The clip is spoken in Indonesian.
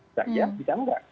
tidak ya tidak enggak